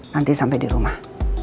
nanti sampai dirumah